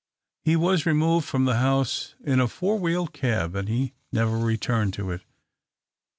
He was removed from the house in a four wheeled cab, and he never returned to it.